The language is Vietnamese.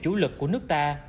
chủ lực của nước ta